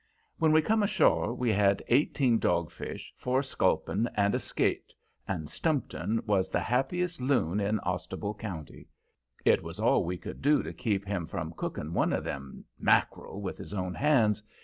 When we come ashore we had eighteen dogfish, four sculpin and a skate, and Stumpton was the happiest loon in Ostable County. It was all we could do to keep him from cooking one of them "mack'rel" with his own hands.